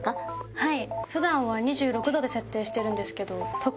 はい。